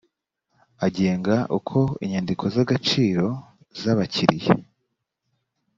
agenga uko inyandiko z agaciro z abakiliya